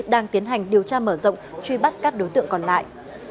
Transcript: đang tiến hành điều tra mở rộng truy bắt các đối tượng còn lại